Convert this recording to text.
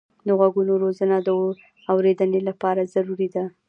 د غوږو روزنه د اورېدنې لپاره ضروري ده.